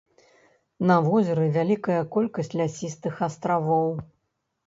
На возеры вялікая колькасць лясістых астравоў.